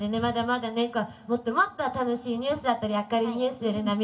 まだまだねこうもっともっと楽しいニュースだったり明るいニュースでね